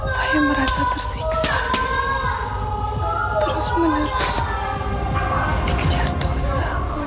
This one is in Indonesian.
saya merasa tersiksa terus menerus dikejar dosa